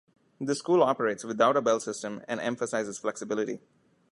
The school operates without a bell system and emphasizes flexibility.